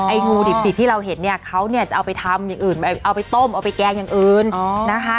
งูดิบที่เราเห็นเนี่ยเขาเนี่ยจะเอาไปทำอย่างอื่นเอาไปต้มเอาไปแกงอย่างอื่นนะคะ